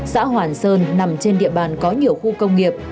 xã hoàn sơn nằm trên địa bàn có nhiều khu công nghiệp